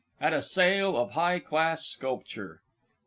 At a Sale of High Class Sculpture.